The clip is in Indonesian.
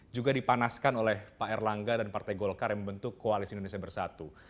juga dipanaskan oleh pak erlangga dan partai golkar yang membentuk koalisi indonesia bersatu